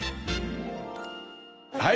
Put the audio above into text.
はい！